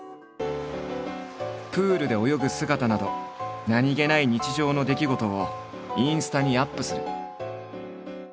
プールで泳ぐ姿など何気ない日常の出来事をインスタにアップする。